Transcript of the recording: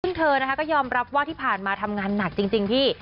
ซึ่งเธอนะคะก็ยอมรับว่าที่ผ่านมาทำงานหนักจริงพี่